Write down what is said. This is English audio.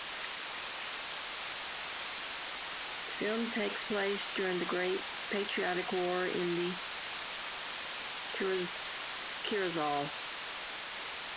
The film takes place during the Great Patriotic War in the Kyrgyz aul.